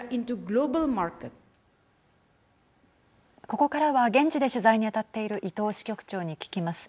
ここからは現地で取材に当たっている伊藤支局長に聞きます。